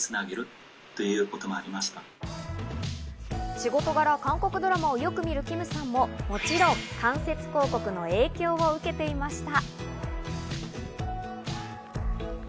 仕事柄、韓国ドラマをよく見るキムさんも、もちろん間接広告の影響を受けていました。